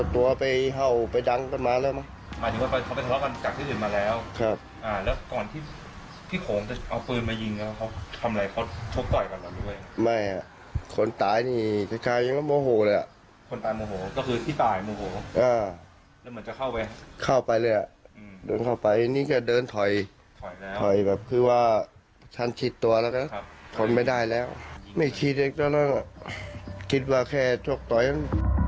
ไม่คิดอีกตอนนั้นคิดว่าแค่ถูกต่ออย่างนั้น